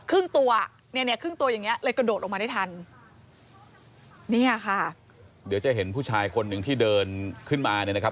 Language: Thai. ครึ่งตัวเนี่ยเนี่ยครึ่งตัวอย่างเงี้เลยกระโดดลงมาได้ทันเนี่ยค่ะเดี๋ยวจะเห็นผู้ชายคนหนึ่งที่เดินขึ้นมาเนี่ยนะครับ